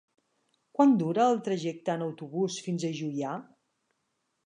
Quant dura el trajecte en autobús fins a Juià?